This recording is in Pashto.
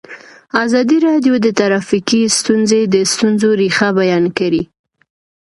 ازادي راډیو د ټرافیکي ستونزې د ستونزو رېښه بیان کړې.